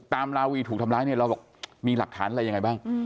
ลาวีถูกทำร้ายเนี่ยเราบอกมีหลักฐานอะไรยังไงบ้าง